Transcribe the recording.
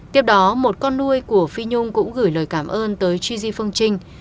tiếp đó một con nuôi của phi nhung cũng gửi lời cảm ơn tới chì phương trinh